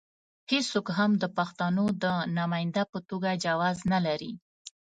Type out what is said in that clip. هېڅوک هم د پښتنو د نماینده په توګه جواز نه لري.